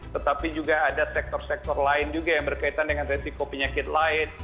tetapi juga ada sektor sektor lain juga yang berkaitan dengan resiko penyakit lain